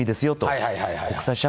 はい